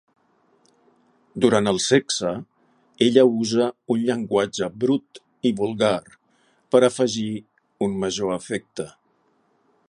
Durant el sexe ella usa un llenguatge brut i vulgar per afegir un major efecte.